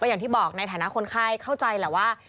อย่างที่บอกในฐานะคนไข้เข้าใจแหละว่า